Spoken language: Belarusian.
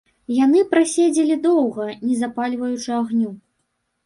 Яны праседзелі доўга, не запальваючы агню.